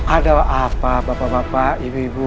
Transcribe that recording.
ada apa bapak bapak ibu ibu